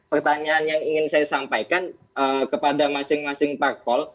pertanyaan yang ingin saya sampaikan kepada masing masing parpol